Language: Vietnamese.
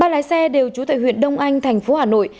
ba lái xe đều trú tại huyện đông anh thành phố hà nội